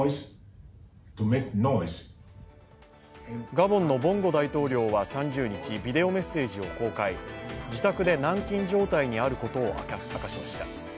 ガボンのボンゴ大統領は３０日、ビデオメッセージを公開、自宅で軟禁状態にあることを明かしました。